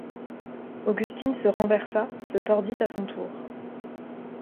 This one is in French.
Augustine se renversa, se tordit à son tour.